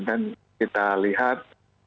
dan kita lihat